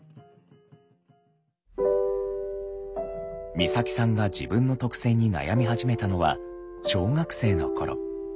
光沙季さんが自分の特性に悩み始めたのは小学生の頃。